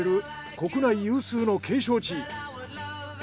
国内有数の景勝地。